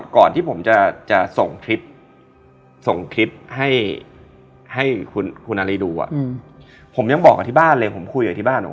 ก่อนที่ผมจะส่งคลิปให้คุณอนรีดูผมยังบอกกับที่บ้านเลย